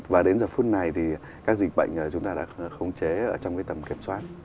và đến giờ phút này thì các dịch bệnh chúng ta đã khống chế trong cái tầm kiểm soát